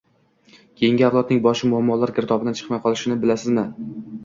Keyingi avlodning boshi muammolar girdobidan chiqmay qolishini bilamizmi?